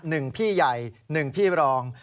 หนึ่งพี่ใหญ่หนึ่งพี่รอง